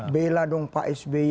bela dong pak sb